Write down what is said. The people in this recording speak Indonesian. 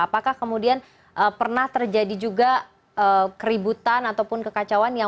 apakah kemudian pernah terjadi juga keributan ataupun kekacauan yang